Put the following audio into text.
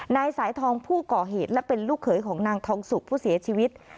นายสายทองผู้ก่อเหตุและเป็นลูกเขยของนางทองสุกผู้เสียชีวิต